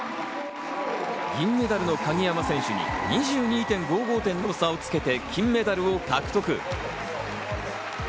銀メダルの鍵山選手に２２．５５点の差をつけて金メダルを獲得。